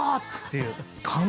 っていう。